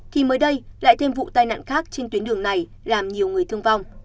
thì mới đây lại thêm vụ tai nạn khác trên tuyến đường này làm nhiều người thương vong